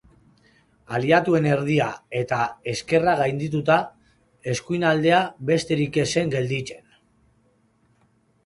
Aliatuen erdia eta ezkerra gaindituta, eskuinaldea besterik ez zen gelditzen.